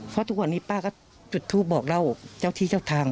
เพราะทุกวันนี้ป้าก็จุดทูปบอกเล่าเจ้าที่เจ้าทาง